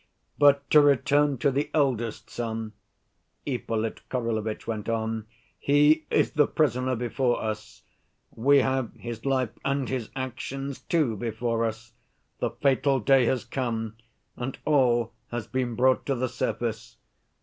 "But to return to the eldest son," Ippolit Kirillovitch went on. "He is the prisoner before us. We have his life and his actions, too, before us; the fatal day has come and all has been brought to the surface.